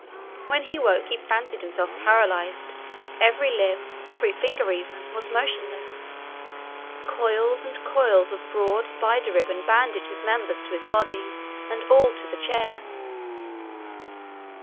When he woke he fancied himself paralysed; every limb, every finger even, was motionless: coils and coils of broad spider ribbon bandaged his members to his body, and all to the chair.